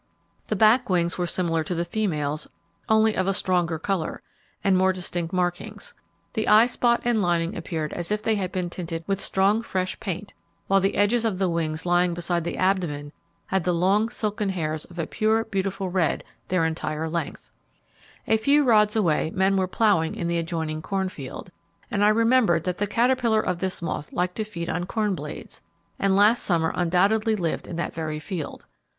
The back wings were similar to the female's, only of stronger colour, and more distinct markings; the eye spot and lining appeared as if they had been tinted with strong fresh paint, while the edges of the wings lying beside the abdomen had the long, silken hairs of a pure, beautiful red their entire length: A few rods away men were ploughing in the adjoining corn field, and I remembered that the caterpillar of this moth liked to feed on corn blades, and last summer undoubtedly lived in that very field.